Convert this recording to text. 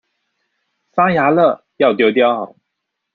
發芽了要丟掉